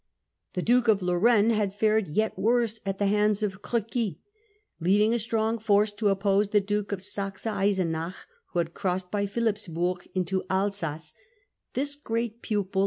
The Duke of Lorraine had fared yet worse at the hands of Crequy. Leaving a strong force to oppose Cray's the Duke of Saxe Eisenach, who had crossed victorious by philippsburg into Alsace, this great pupil th^Rhine.